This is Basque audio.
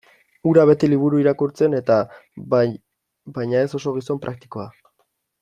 Hura beti liburu irakurtzen-eta bai, baina ez oso gizon praktikoa.